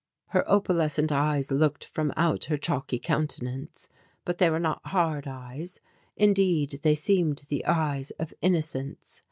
Her opalescent eyes looked from out her chalky countenance; but they were not hard eyes, indeed they seemed the eyes of innocence.